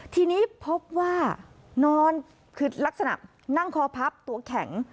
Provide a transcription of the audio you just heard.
ทีนี้พบว่านอนคือลักษณะนั่งคอพับตัวแข็ง